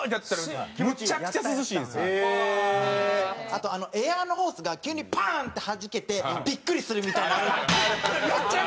あとエアのホースが急にパーン！ってはじけてビックリするみたいなめっちゃありますよね？